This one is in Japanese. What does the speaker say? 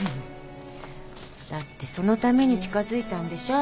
だってそのために近づいたんでしょ？